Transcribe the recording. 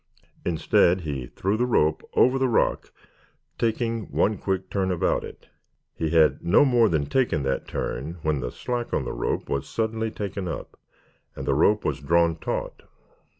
Instead he threw the rope over the rock, taking one quick turn about it. He had no more than taken that turn when the slack on the rope was suddenly taken up and the rope was drawn taut.